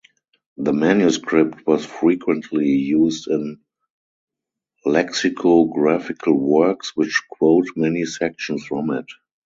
The manuscript was frequently used in lexicographical works which quote many sections from it.